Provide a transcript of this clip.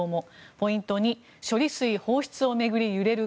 ポイント２処理水放出を巡り揺れる